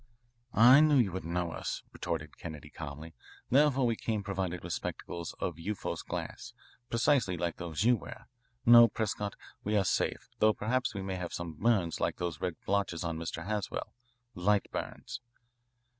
"I knew that you would know us," retorted Kennedy calmly. "Therefore we came provided with spectacles of Euphos glass, precisely like those you wear. No, Prescott, we are safe, though perhaps we may have some burns like those red blotches on Mr. Haswell, light burns."